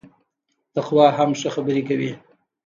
تقوا هم ښه خبري کوي